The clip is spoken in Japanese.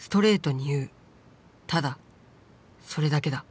ただそれだけだ。